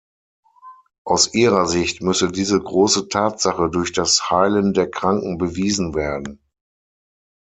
Aus ihrer Sicht müsse diese „große Tatsache“ durch das Heilen der Kranken bewiesen werden.